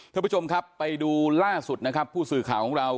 ท่านผู้ชมครับไปดูล่าสุดนะครับผู้สื่อข่าวของเรา